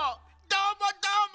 どーもどーも！